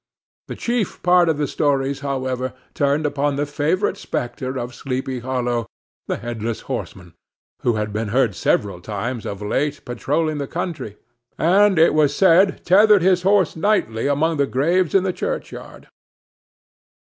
The chief part of the stories, however, turned upon the favorite spectre of Sleepy Hollow, the Headless Horseman, who had been heard several times of late, patrolling the country; and, it was said, tethered his horse nightly among the graves in the churchyard.